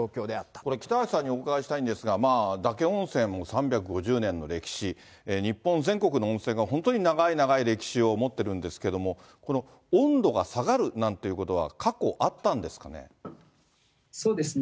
これ、北橋さんにお伺いしたいんですが、嶽温泉も３５０年の歴史、日本全国の温泉が本当に長い長い歴史を持ってるんですけれども、温度が下がるなんていうことは過去あったんですかね。